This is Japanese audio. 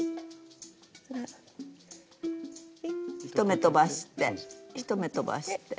１目とばして１目とばして。